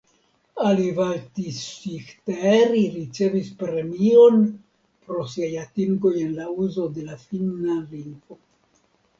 Alivaltiosihteeri ricevis premion pro siaj atingoj en la uzo de la finna lingvo.